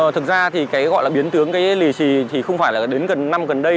thực ra thì cái gọi là biến tướng cái lì xì thì không phải là đến gần năm gần đây